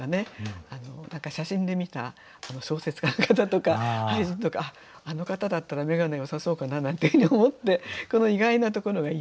写真で見た小説家の方とか俳人とかあの方だったら眼鏡よさそうかななんていうふうに思ってこの意外なところがいいと思いました。